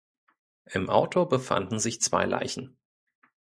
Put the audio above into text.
Im Auto befanden sich zwei Leichen.